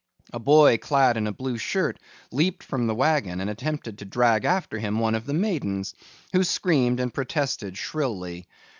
A boy clad in a blue shirt leaped from the wagon and attempted to drag after him one of the maidens, who screamed and protested shrilly.